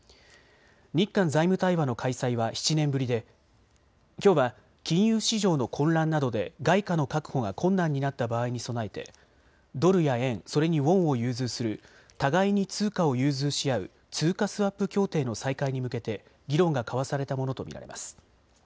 日韓財務対話の開催は７年ぶりできょうは金融市場の混乱などで外貨の確保が困難になった場合に備えてドルや円、それにウォンを融通する互いに通貨を融通し合う通貨スワップ協定の再開に向けて議論が交わされたものと見られます。